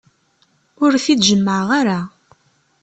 Ur t-id-jemmeε ara.